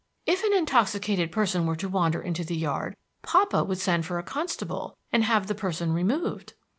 "If an intoxicated person were to wander into the yard, papa would send for a constable, and have the person removed."